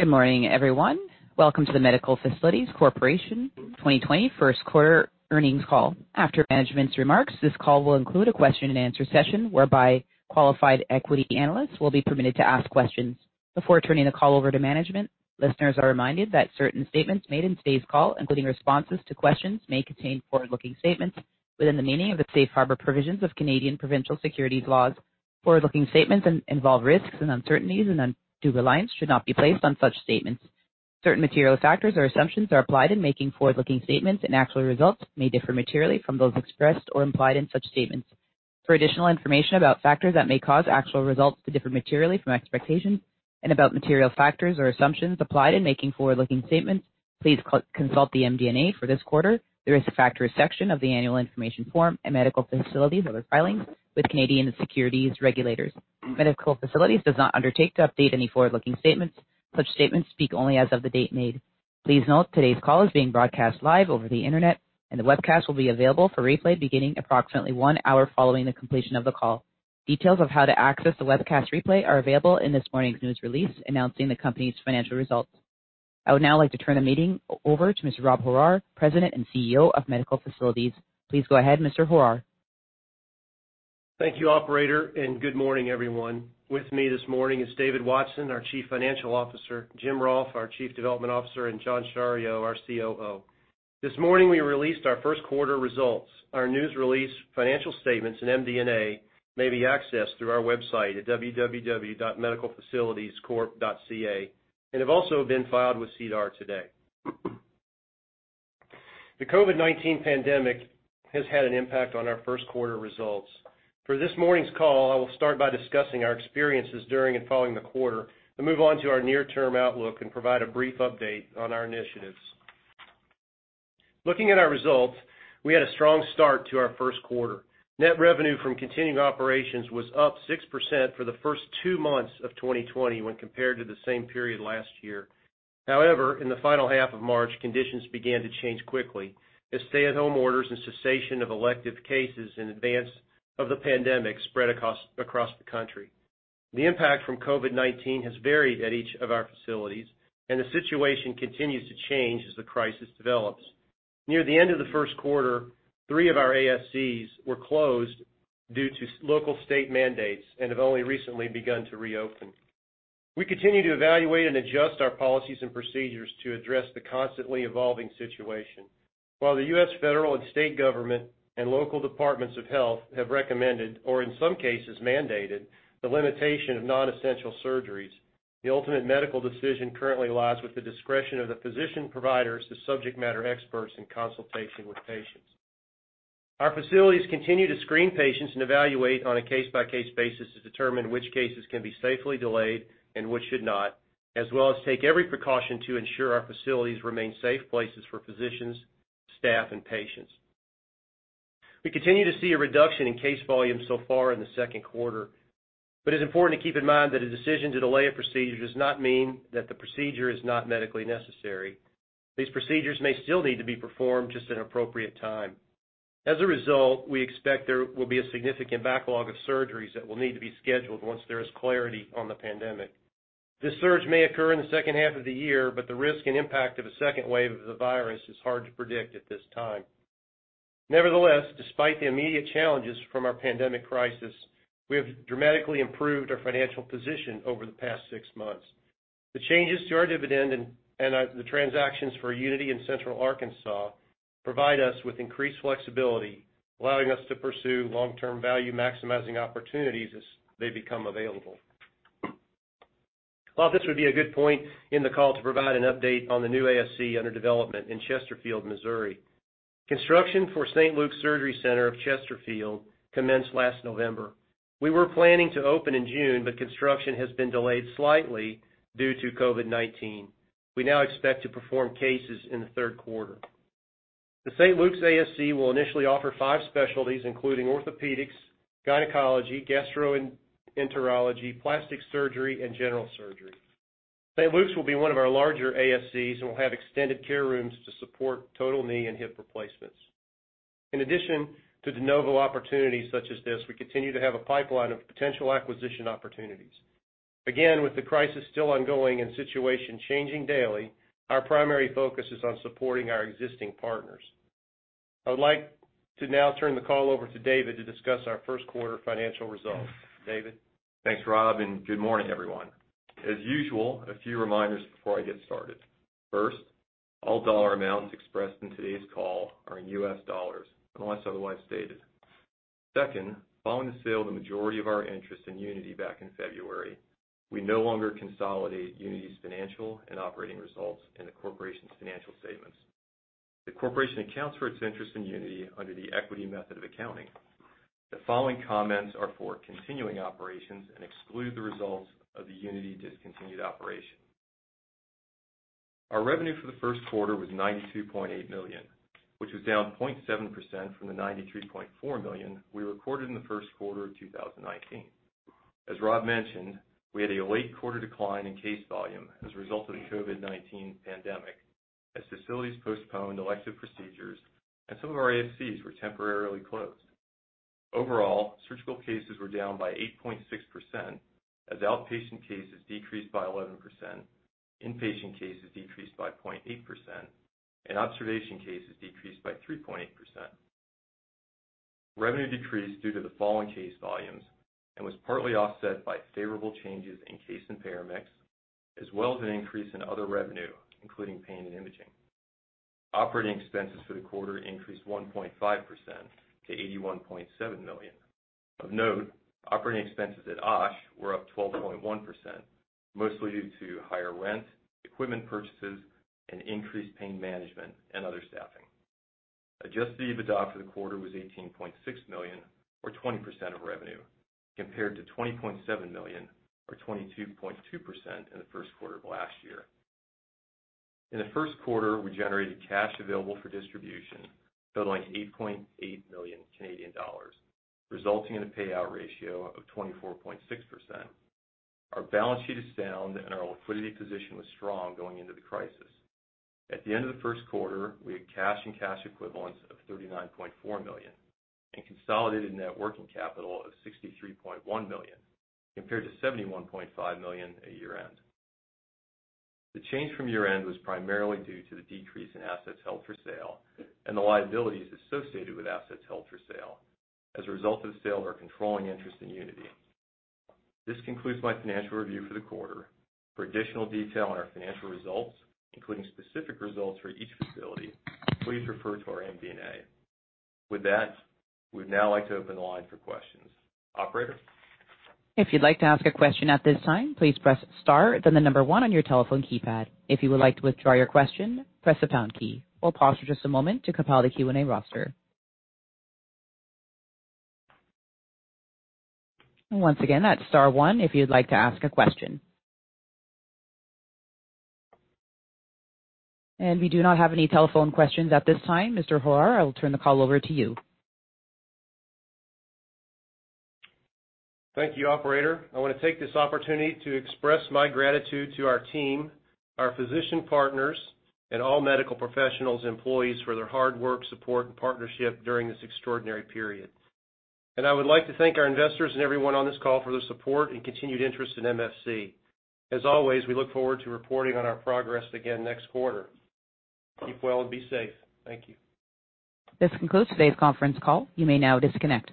Good morning, everyone. Welcome to the Medical Facilities Corporation 2020 first quarter earnings call. After management's remarks, this call will include a question and answer session whereby qualified equity analysts will be permitted to ask questions. Before turning the call over to management, listeners are reminded that certain statements made in today's call, including responses to questions, may contain forward-looking statements within the meaning of the safe harbor provisions of Canadian provincial securities laws. Forward-looking statements involve risks and uncertainties, and undue reliance should not be placed on such statements. Certain material factors or assumptions are applied in making forward-looking statements, and actual results may differ materially from those expressed or implied in such statements. For additional information about factors that may cause actual results to differ materially from expectations and about material factors or assumptions applied in making forward-looking statements, please consult the MD&A for this quarter, the risk factor section of the annual information form, and Medical Facilities other filings with Canadian securities regulators. Medical Facilities does not undertake to update any forward-looking statements. Such statements speak only as of the date made. Please note, today's call is being broadcast live over the internet, and the webcast will be available for replay beginning approximately one hour following the completion of the call. Details of how to access the webcast replay are available in this morning's news release announcing the company's financial results. I would now like to turn the meeting over to Mr. Rob Horrar, President and CEO of Medical Facilities. Please go ahead, Mr. Horrar. Thank you, operator, and good morning, everyone. With me this morning is David Watson, our Chief Financial Officer, Jim Rohlf, our Chief Development Officer, and John Schario, our COO. This morning, we released our first quarter results. Our news release, financial statements, and MD&A may be accessed through our website at www.medicalfacilitiescorp.ca and have also been filed with SEDAR today. The COVID-19 pandemic has had an impact on our first quarter results. For this morning's call, I will start by discussing our experiences during and following the quarter and move on to our near-term outlook and provide a brief update on our initiatives. Looking at our results, we had a strong start to our first quarter. Net revenue from continuing operations was up 6% for the first two months of 2020 when compared to the same period last year. However, in the final half of March, conditions began to change quickly as stay-at-home orders and cessation of elective cases in advance of the pandemic spread across the country. The impact from COVID-19 has varied at each of our facilities, and the situation continues to change as the crisis develops. Near the end of the first quarter, three of our ASCs were closed due to local state mandates and have only recently begun to reopen. We continue to evaluate and adjust our policies and procedures to address the constantly evolving situation. While the US federal and state government and local departments of health have recommended, or in some cases, mandated the limitation of non-essential surgeries, the ultimate medical decision currently lies with the discretion of the physician providers, the subject matter experts in consultation with patients. Our facilities continue to screen patients and evaluate on a case-by-case basis to determine which cases can be safely delayed and which should not, as well as take every precaution to ensure our facilities remain safe places for physicians, staff, and patients. We continue to see a reduction in case volume so far in the second quarter, but it is important to keep in mind that a decision to delay a procedure does not mean that the procedure is not medically necessary. These procedures may still need to be performed, just at an appropriate time. As a result, we expect there will be a significant backlog of surgeries that will need to be scheduled once there is clarity on the pandemic. This surge may occur in the second half of the year, but the risk and impact of a second wave of the virus is hard to predict at this time. Nevertheless, despite the immediate challenges from our pandemic crisis, we have dramatically improved our financial position over the past six months. The changes to our dividend and the transactions for Unity and Central Arkansas provide us with increased flexibility, allowing us to pursue long-term value-maximizing opportunities as they become available. I thought this would be a good point in the call to provide an update on the new ASC under development in Chesterfield, Missouri. Construction for St. Luke's Surgery Center of Chesterfield commenced last November. We were planning to open in June, but construction has been delayed slightly due to COVID-19. We now expect to perform cases in the third quarter. The St. Luke's ASC will initially offer five specialties, including orthopedics, gynecology, gastroenterology, plastic surgery, and general surgery. St. Luke's will be one of our larger ASCs and will have extended care rooms to support total knee and hip replacements. In addition to de novo opportunities such as this, we continue to have a pipeline of potential acquisition opportunities. Again, with the crisis still ongoing and situation changing daily, our primary focus is on supporting our existing partners. I would like to now turn the call over to David to discuss our first quarter financial results. David? Thanks, Rob, good morning, everyone. As usual, a few reminders before I get started. First, all dollar amounts expressed in today's call are in U.S. dollars unless otherwise stated. Second, following the sale of the majority of our interest in Unity back in February, we no longer consolidate Unity's financial and operating results in the corporation's financial statements. The corporation accounts for its interest in Unity under the equity method of accounting. The following comments are for continuing operations and exclude the results of the Unity discontinued operation. Our revenue for the first quarter was $92.8 million, which was down 0.7% from the $93.4 million we recorded in the first quarter of 2019. As Rob mentioned, we had a late quarter decline in case volume as a result of the COVID-19 pandemic as facilities postponed elective procedures and some of our ASCs were temporarily closed. Overall, surgical cases were down by 8.6%, as outpatient cases decreased by 11%, inpatient cases decreased by 0.8%, and observation cases decreased by 3.8%. Revenue decreased due to the falling case volumes and was partly offset by favorable changes in case and payer mix, as well as an increase in other revenue, including pain and imaging. Operating expenses for the quarter increased 1.5% to $81.7 million. Of note, operating expenses at OSH were up 12.1%, mostly due to higher rent, equipment purchases, and increased pain management and other staffing. Adjusted EBITDA for the quarter was $18.6 million or 20% of revenue, compared to $20.7 million or 22.2% in the first quarter of last year. In the first quarter, we generated cash available for distribution totaling 8.8 million Canadian dollars, resulting in a payout ratio of 24.6%. Our balance sheet is sound, and our liquidity position was strong going into the crisis. At the end of the first quarter, we had cash and cash equivalents of $39.4 million and consolidated net working capital of $63.1 million, compared to $71.5 million at year-end. The change from year-end was primarily due to the decrease in assets held for sale and the liabilities associated with assets held for sale as a result of the sale of our controlling interest in Unity. This concludes my financial review for the quarter. For additional detail on our financial results, including specific results for each facility, please refer to our MD&A. With that, we'd now like to open the line for questions. Operator? If you'd like to ask a question at this time, please press star then the number one on your telephone keypad. If you would like to withdraw your question, press the pound key. We'll pause for just a moment to compile the Q&A roster. Once again, that's star one if you'd like to ask a question. We do not have any telephone questions at this time. Mr. Horrar, I will turn the call over to you. Thank you, operator. I want to take this opportunity to express my gratitude to our team, our physician partners, and all medical professionals, employees for their hard work, support, and partnership during this extraordinary period. I would like to thank our investors and everyone on this call for their support and continued interest in MFC. As always, we look forward to reporting on our progress again next quarter. Keep well and be safe. Thank you. This concludes today's conference call. You may now disconnect.